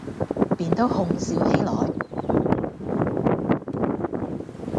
便都哄笑起來。